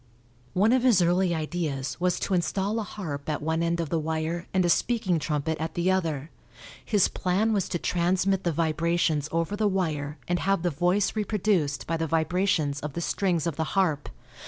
One of his early ideas was to install a harp at one end of the wire and a speaking trumpet at the other. His plan was to transmit the vibrations over the wire and have the voice reproduced by the vibrations of the strings of the harp.